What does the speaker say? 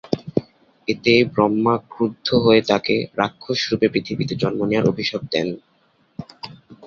এতে ব্রহ্মা ক্রুদ্ধ হয়ে তাকে রাক্ষস রূপে পৃথিবীতে জন্ম নেয়ার অভিশাপ দেন।